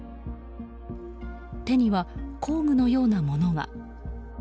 手には工具のようなものが。